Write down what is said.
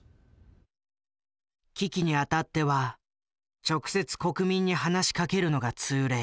危機にあたっては直接国民に話しかけるのが通例。